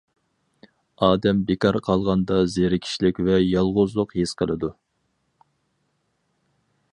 ئادەم بىكار قالغاندا زېرىكىشلىك ۋە يالغۇزلۇق ھېس قىلىدۇ.